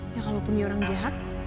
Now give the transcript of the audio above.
ya kalaupun dia orang jahat